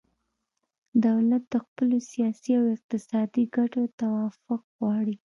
دولت د خپلو سیاسي او اقتصادي ګټو توافق غواړي